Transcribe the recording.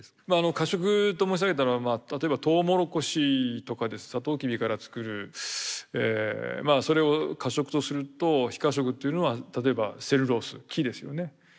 可食と申し上げたのは例えばとうもろこしとかサトウキビから作るまあそれを可食とすると非可食っていうのは例えばセルロース木ですよね。